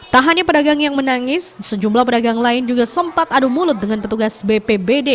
tak hanya pedagang yang menangis sejumlah pedagang lain juga sempat adu mulut dengan petugas bpbd